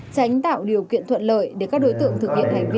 tránh tạo điều kiện thuận lợi để các đối tượng thực hiện hành vi